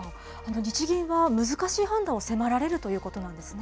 日銀は難しい判断を迫られるということなんですね。